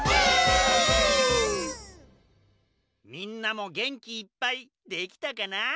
みんなもげんきいっぱいできたかな？